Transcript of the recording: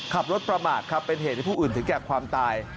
ขับรถประมาทครับเป็นเหตุให้ผู้อื่นถึงแก่ความตาย